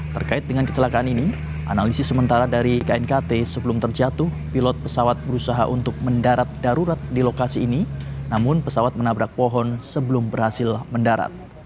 terkait dengan kecelakaan ini analisis sementara dari knkt sebelum terjatuh pilot pesawat berusaha untuk mendarat darurat di lokasi ini namun pesawat menabrak pohon sebelum berhasil mendarat